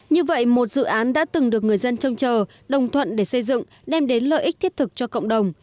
như vậy một dự án đã từng được người dân trông chờ đồng thuận để xây dựng đem đến lợi ích thiết thực cho cộng đồng